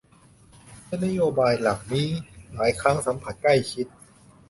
และนโยบายเหล่านี้ หลายครั้งสัมพันธ์ใกล้ชิด